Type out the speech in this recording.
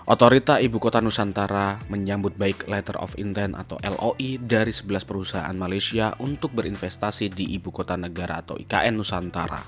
otorita ibu kota nusantara menyambut baik letter of intent atau loi dari sebelas perusahaan malaysia untuk berinvestasi di ibu kota negara atau ikn nusantara